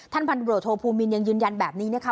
พันธุรกิจโทภูมินยังยืนยันแบบนี้นะคะ